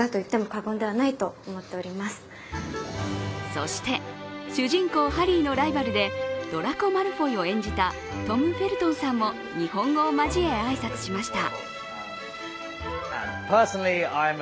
そして、主人公ハリーのライバルでドラコ・マルフォイを演じたトム・フェルトンさんも日本語を交え挨拶しました。